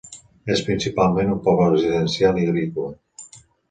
És principalment un poble residencial i agrícola.